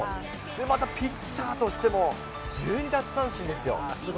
またピッチャーとしても１２奪三振ですよ。